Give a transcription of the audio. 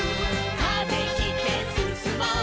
「風切ってすすもう」